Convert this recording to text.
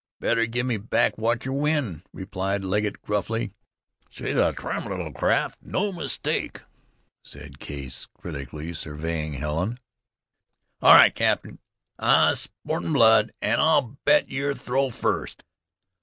Bet, or give me back what yer win," replied Legget gruffly. "She's a trim little craft, no mistake," said Case, critically surveying Helen. "All right, cap'n, I've sportin' blood, an' I'll bet. Yer throw first."